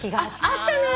あったね！